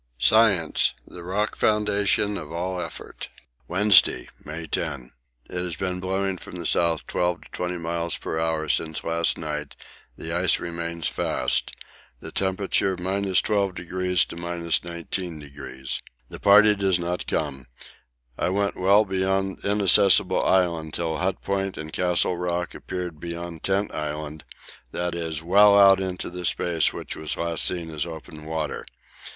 Science the rock foundation of all effort!! Wednesday, May 10. It has been blowing from the South 12 to 20 miles per hour since last night; the ice remains fast. The temperature 12° to 19°. The party does not come. I went well beyond Inaccessible Island till Hut Point and Castle Rock appeared beyond Tent Island, that is, well out on the space which was last seen as open water.